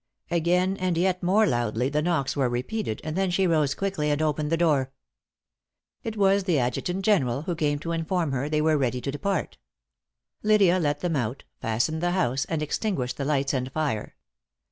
Again, and yet more loudly, the knocks were repeated; and then she rose quickly, and opened the door. It was the adjutant general, who came to inform her they were ready to depart. Lydia let them out, fastened the house, and extinguished the lights and fire.